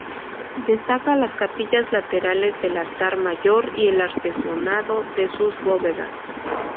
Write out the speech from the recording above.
Destacan las capillas laterales del altar mayor y el artesonado de sus bóvedas.